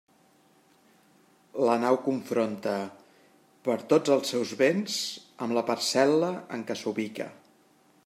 La nau confronta: per tots els seus vents, amb la parcel·la en què s'ubica.